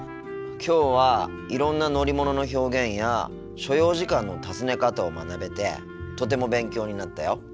きょうはいろんな乗り物の表現や所要時間の尋ね方を学べてとても勉強になったよ。